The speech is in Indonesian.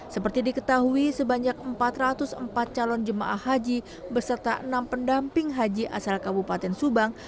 seperti diketahui sebanyak empat ratus empat calon jemaah haji beserta enam pendamping haji asal kabupaten subang